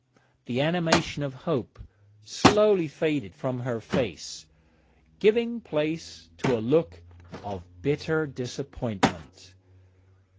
The animation of hope slowly faded from her face, giving place to a look of bitter disappointment.